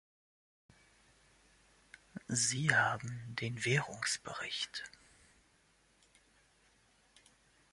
Sie haben den Währungsbericht.